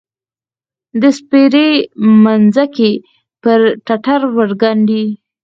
د سپیرې مځکې، پر ټټر ورګنډې